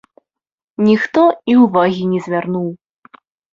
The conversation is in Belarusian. Ніхто і ўвагі не звярнуў.